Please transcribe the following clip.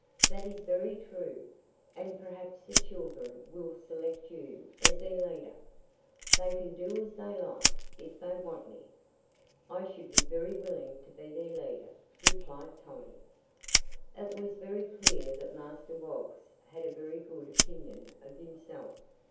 "That is very true; and perhaps the children will select you as their leader." "They can do as they like. If they want me, I should be very willing to be their leader," replied Tommy. It was very clear that Master Woggs had a very good opinion of himself.